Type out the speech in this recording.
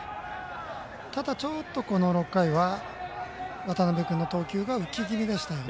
ただ、ちょっと６回は渡邊君の投球が浮き気味でしたよね。